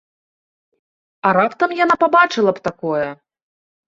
А раптам яна пабачыла б такое?